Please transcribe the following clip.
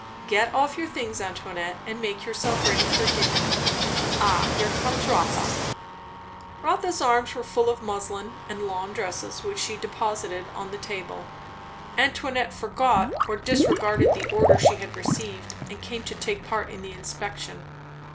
"Get your things off, Antoinette, and make yourself ready for dinner. Ah, here comes Rotha." Rotha's arms were full of muslin and lawn dresses, which she deposited on the table. Antoinette forgot or disregarded the order she had received and came to take part in the inspection.